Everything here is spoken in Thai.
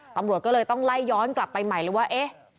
ตำรวจก็เลยต้องไล่ย้อนกลับไปใหม่เลยว่าเอ๊ะ